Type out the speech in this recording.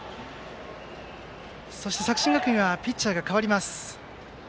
そして、作新学院はピッチャーが代わります。